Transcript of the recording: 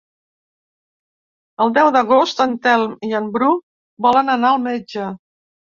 El deu d'agost en Telm i en Bru volen anar al metge.